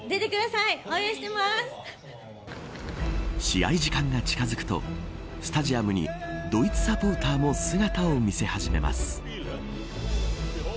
試合時間が近づくとスタジアムにドイツサポーターも姿を見せ始めます。